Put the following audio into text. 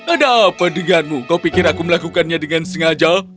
ada apa denganmu kau pikir aku melakukannya dengan sengaja